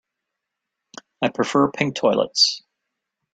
I prefer pink toilets.